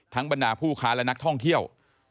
บรรดาผู้ค้าและนักท่องเที่ยว